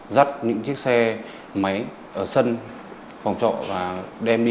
dắt những chiếc xe máy ở sân phòng trọ và đem đi